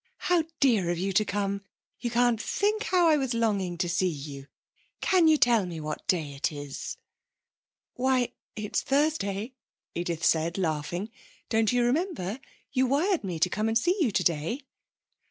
'How dear of you to come. You can't think how I was longing to see you. Can you tell me what day it is?' 'Why, it's Thursday,' Edith said, laughing. 'Don't you remember? You wired to me to come and see you today.'